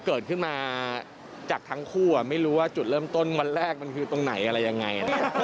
เกิดขึ้นมาจากทั้งคู่ไม่รู้ว่าจุดเริ่มต้นวันแรกมันคือตรงไหนอะไรยังไง